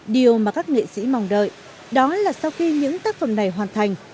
điều mà các nghệ sĩ mong đợi đó là sau khi những tác phẩm này hoàn thành